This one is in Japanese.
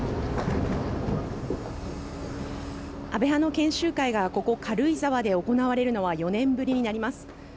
安倍派の研修会がここ軽井沢で行われるのは４年ぶりになります。